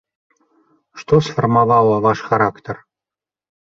Што сфармавала ваш характар?